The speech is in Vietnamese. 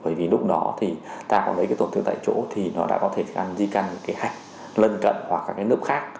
bởi vì lúc đó ta có lấy tổn thương tại chỗ thì nó đã có thể di căn cái hạch lân cận hoặc là cái nớp khác